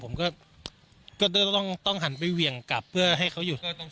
ผมก็ต้องหันไปเหวี่ยงกลับเพื่อให้เขาหยุด